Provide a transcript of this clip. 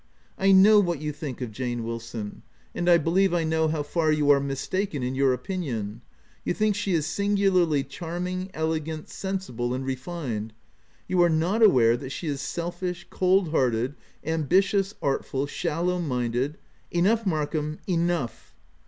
— I know what you think of Jane Wilson ; and I believe I know how far you are mistaken in your opinion : you think she is singularly charming, elegant, sensible, and refined : you are not aware that she is selfish, cold hearted, ambitious, artful, shallow minded —"" Enough, Markham, enough."